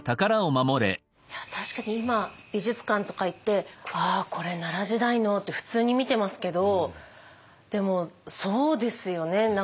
確かに今美術館とか行って「ああこれ奈良時代の」って普通に見てますけどでもそうですよね。